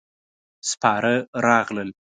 سپاره راغلل.